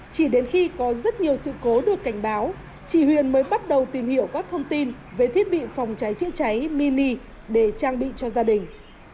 chỉ đến khi có rất nhiều sự cố được cảnh báo chị huyền mới bắt đầu tìm hiểu các thông tin về thiết bị phòng cháy chữa cháy mini để trang bị cho gia đình